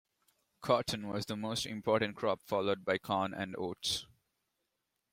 Cotton was the most important crop, followed by corn and oats.